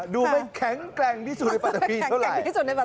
ดูตรงนี้ก็ได้แข็งแกร่งที่สุดในประตาภิรุณต่อไหร่